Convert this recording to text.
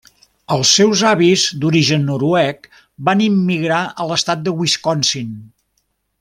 Els seus avis d'origen noruec van immigrar a l'Estat de Wisconsin.